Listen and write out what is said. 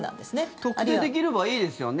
特定できればいいですよね。